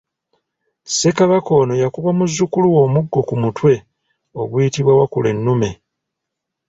Ssekabaka ono yakubwa muzzukulu we omuggo ku mutwe oguyitibwa wakulennume.